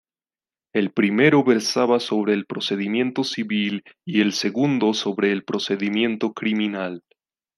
El primero versaba sobre el procedimiento civil, y el segundo sobre el procedimiento criminal.